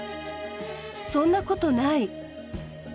そんなことない！